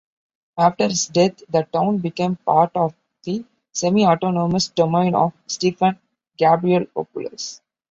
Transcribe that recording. After his death, the town became part of the semi-autonomous domain of Stephen Gabrielopoulos.